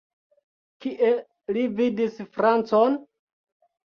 Kie li vidis francon?